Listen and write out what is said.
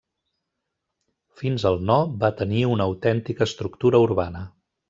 Fins al no va tenir una autèntica estructura urbana.